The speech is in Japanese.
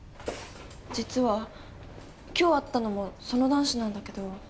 実は今日会ったのもその男子なんだけど。